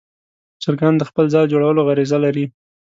چرګان د خپل ځاله جوړولو غریزه لري.